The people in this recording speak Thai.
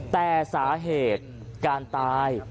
แต่สาเหตุการตาย